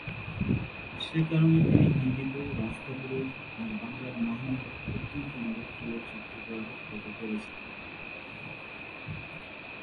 সেকারণে তিনি হিন্দিতে রাজ কাপুরের আর বাংলার মহানায়ক উত্তম কুমারের প্রিয় চিত্রগ্রাহক হতে পেরেছিলেন।